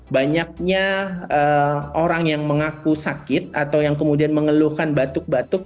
banyaknya orang yang mengaku sakit atau yang kemudian mengeluhkan batuk batuk